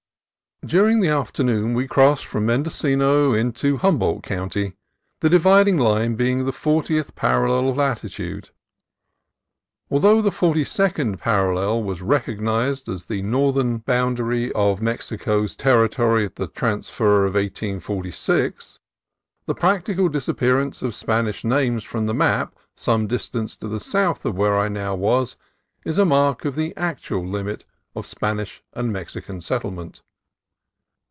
During the afternoon we crossed from Mendocino into Humboldt County, the dividing line being the fortieth parallel of latitude. Although the forty second parallel was recognized as the northern 286 CALIFORNIA COAST TRAILS boundary of Mexico's territory at the transfer of 1846, the practical disappearance of Spanish names from the map some distance to the south of where I now was, is a mark of the actual limit of Spanish and Mexican settlement.